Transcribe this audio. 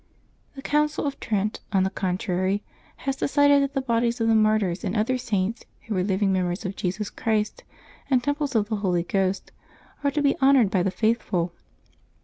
The Council of Trent, on the contrary, has de cided that the bodies of the martyrs and other Saints, who were living members of Jesus Christ and temples of the Holy Ghost, are to be honored by the faithful.